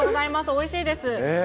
おいしいです。